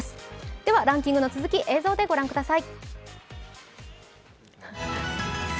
では、ランキングの続き、映像でご覧ください。